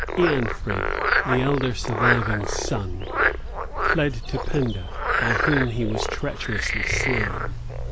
Eanfrid, the elder surviving son, fled to Penda, by whom he was treacherously slain.